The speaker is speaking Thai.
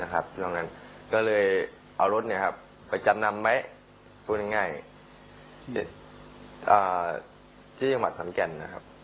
ตรงนั้นก็เลยเอารถไปจำนำไว้พูดง่ายที่จังหวัดขอนแก่นนะครับ